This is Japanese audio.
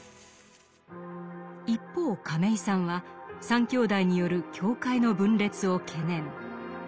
一方亀井さんは三兄弟による教会の分裂を懸念。